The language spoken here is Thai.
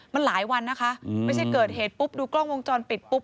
มันหลายวันนะคะไม่ใช่เกิดเหตุปุ๊บดูกล้องวงจรปิดปุ๊บ